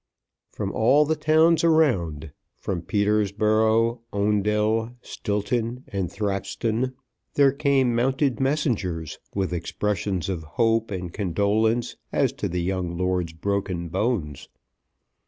From all the towns around, from Peterborough, Oundle, Stilton, and Thrapstone, there came mounted messengers, with expressions of hope and condolence as to the young lord's broken bones.